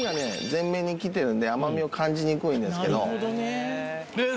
全面にきてるんで甘みを感じにくいんですけどへえ